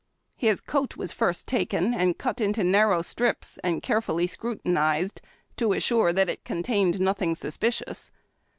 His coat was first taken and cut into narrow strips and carefully scrutinized, to assure that it contained nothing suspicious.